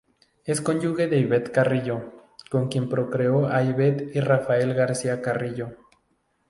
Es cónyuge de Ivette Carrillo, con quien procreó a Ivette y Rafael García Carrillo.